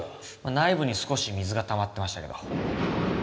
内部に少し水が溜まってましたけど。